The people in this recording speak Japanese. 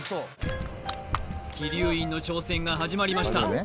鬼龍院の挑戦が始まりました